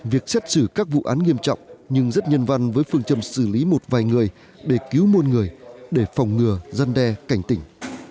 việc xét xử các vụ án nghiêm trọng nhưng rất nhân văn với phương châm xử lý một vài người để cứu muôn người để phòng ngừa gian đe cảnh tỉnh